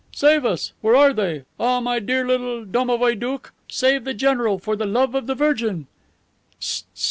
Save us! Where are they? Ah, my dear little domovoi doukh, save the general, for the love of the Virgin!"